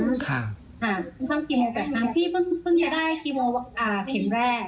ต้องเข้าคีโม๘ครั้งพี่เพิ่งจะได้คีโมแข่งแรก